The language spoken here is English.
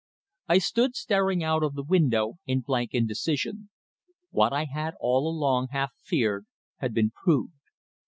I stood staring out of the window in blank indecision. What I had all along half feared had been proved.